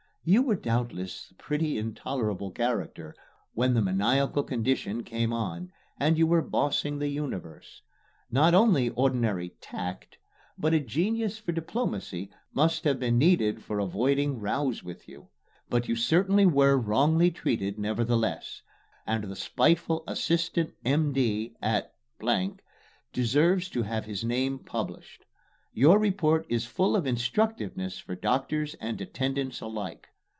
You were doubtless a pretty intolerable character when the maniacal condition came on and you were bossing the universe. Not only ordinary "tact," but a genius for diplomacy must have been needed for avoiding rows with you; but you certainly were wrongly treated nevertheless; and the spiteful Assistant M.D. at deserves to have his name published. Your report is full of instructiveness for doctors and attendants alike.